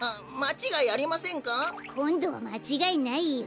こんどはまちがいないよ。